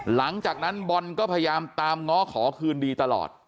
หลังจากนั้นบอลก็พยายามตามง้อขอคืนดีตลอด